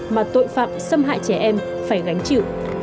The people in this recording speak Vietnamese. mà tội phạm xâm hại trẻ em phải gánh chịu